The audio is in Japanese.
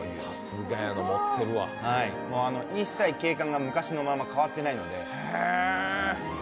景観が一切昔のまま変わってないので。